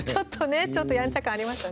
ちょっとやんちゃ感ありましたね。